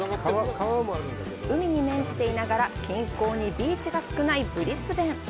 海に面していながら近郊にビーチが少ないブリスベン。